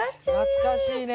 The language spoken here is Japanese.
懐かしいね。